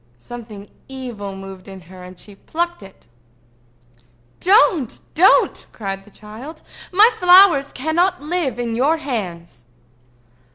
Something evil moved in her, and she plucked it. "Don't! don't!" cried the child. "My flowers cannot live in your hands."